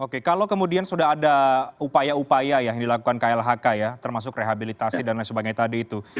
oke kalau kemudian sudah ada upaya upaya yang dilakukan klhk ya termasuk rehabilitasi dan lain sebagainya tadi itu